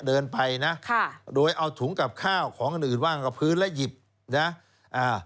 เดินไปนะค่ะโดยเอาถุงกับข้าวของอื่นอื่นว่างกับพื้นแล้วหยิบนะอ่า